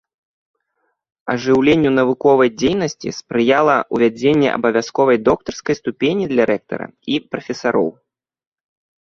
Ажыўленню навуковай дзейнасці спрыяла ўвядзенне абавязковай доктарскай ступені для рэктара і прафесараў.